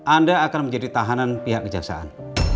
anda akan menjadi tahanan pihak kejaksaan